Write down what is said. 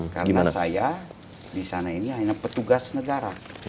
karena saya di sana ini hanya petugas negara